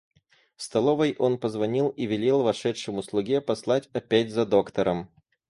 В столовой он позвонил и велел вошедшему слуге послать опять за доктором.